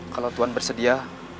kalau tuan bersedia